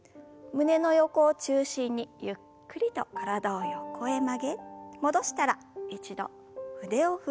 胸の横を中心にゆっくりと体を横へ曲げ戻したら一度腕を振る運動です。